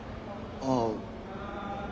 ああ。